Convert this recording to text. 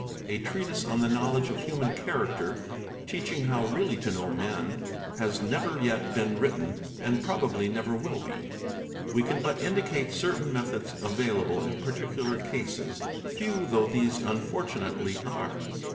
A treatise on the knowledge of human character, teaching how q really to know men, has never yet been written and probably never will be; we can but indicate certain methods available in particular cases, few ey '' 7 though these unfortunately are.